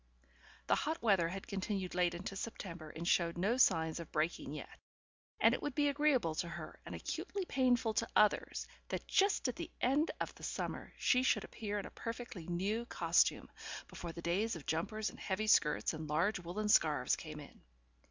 The hot weather had continued late into September and showed no signs of breaking yet, and it would be agreeable to her and acutely painful to others that just at the end of the summer she should appear in a perfectly new costume, before the days of jumpers and heavy skirts and large woollen scarves came in.